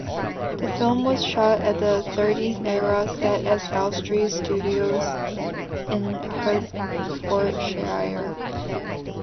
The film was shot at the "thirties era" sets at Elstree Studios in Hertfordshire.